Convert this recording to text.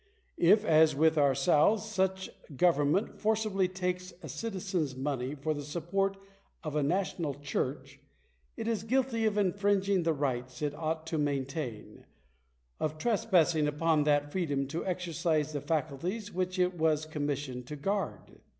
If, as with ourselves, such go 4 vernment forcibly takes a citizen s money for the support of a national church, it is guilty of infringing the rights it ought to maintain — of trespassing upon that freedom to exercise the faculties which it was commissioned to guard.